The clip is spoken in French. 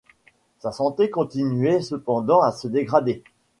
Sa santé continuait cependant à se dégrader.